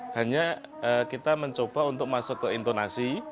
hanya kita mencoba untuk masuk ke intonasi